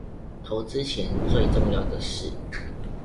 投資前最重要的事